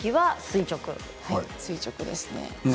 垂直ですね。